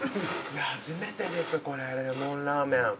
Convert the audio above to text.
初めてですこれレモンラーメン。